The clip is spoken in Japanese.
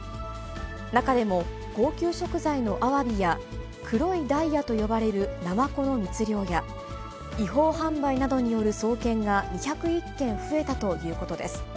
中でも高級食材のアワビや、黒いダイヤと呼ばれるナマコの密漁や、違法販売などによる送検が２０１件増えたということです。